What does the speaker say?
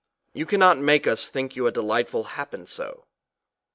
You cannot make us think you a delightful happen so.